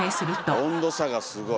温度差がすごい。